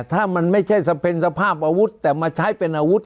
ถ้ามันไม่ใช่เป็นสภาพอาวุธ